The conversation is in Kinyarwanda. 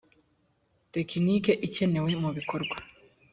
tekiniki ikenewe mu bikorwa